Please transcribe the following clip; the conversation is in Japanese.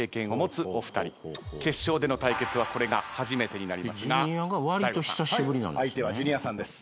決勝での対決はこれが初めてになりますが大悟さん相手はジュニアさんです。